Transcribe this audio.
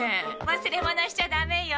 忘れ物しちゃダメよ。